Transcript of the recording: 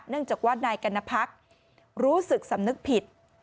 จากว่านายกัณพักรู้สึกสำนึกผิด